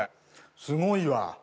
すごいわ。